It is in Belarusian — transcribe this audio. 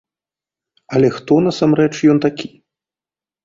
Але хто, насамрэч, ён такі?